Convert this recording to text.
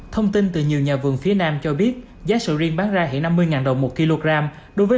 thông tin từ nhiều nhà vườn phía nam cho biết giá sầu riêng bán ra hiện năm mươi đồng một kg đối với